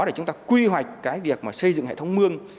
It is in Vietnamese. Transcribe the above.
để chúng ta quy hoạch việc xây dựng hệ thống mương